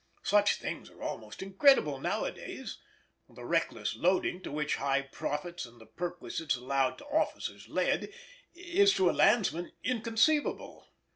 Such things are almost incredible nowadays. The reckless loading, to which high profits and the perquisites allowed to officers led, is to a landsman inconceivable.